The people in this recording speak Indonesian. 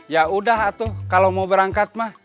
ya udah kalau mau berangkat ma